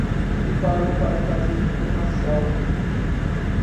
Ele parou pra fazer uma selfie.